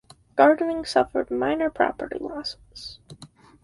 Gardening suffered minor property losses.